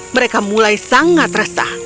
mereka mulai sangat resah